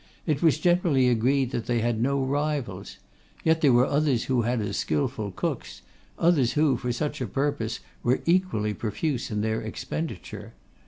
It was generally agreed that they had no rivals; yet there were others who had as skilful cooks, others who, for such a purpose, were equally profuse in their expenditure.